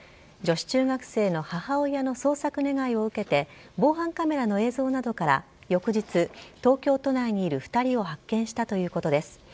女子中学生の母親の捜索願を受けて防犯カメラの映像などから翌日、東京都内にいる２人を発見したということです。